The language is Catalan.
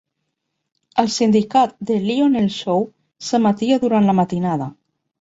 El sindicat "The Lionel Show" s'emetia durant la matinada.